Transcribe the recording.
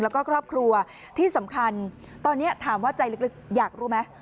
แล้วก็ครอบครัวที่สำคัญตอนนี้ถามว่าใจลึกอยากรู้ไหม